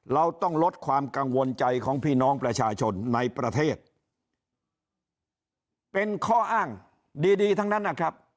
เราต้องลดความกังวลใจของพี่น้องประชาชนในประเทศเป็นข้ออ้างดีดีทั้งนั้นนะครับ